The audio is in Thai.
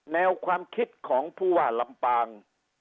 แนวความคิดของผู้ว่าลำปาง